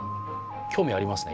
興味ありますね！